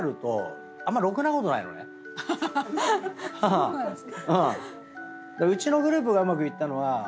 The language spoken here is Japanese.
そうなんですか。